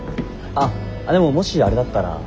あっでももしあれだったら。